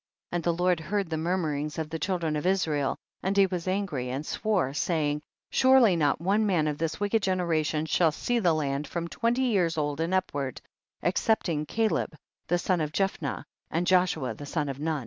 40. And the Lord heard the mur murings of the children of Israel and he was angry and swore, saying, 4L Surely not one man of this wicked generation shall see the land from twenty years old and upward excepting Caleb the son of Jcplmeh and Joshua the son of Nun.